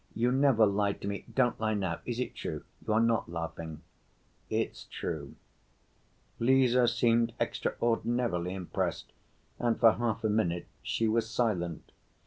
You never lie to me, don't lie now: is it true? You are not laughing?" "It's true." Lise seemed extraordinarily impressed and for half a minute she was silent.